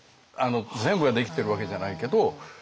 全部ができてるわけじゃないけど。